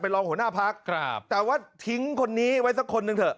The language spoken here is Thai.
รองหัวหน้าพักครับแต่ว่าทิ้งคนนี้ไว้สักคนหนึ่งเถอะ